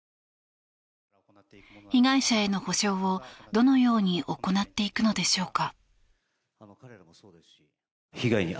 被害者への補償をどのように行っていくのでしょうか。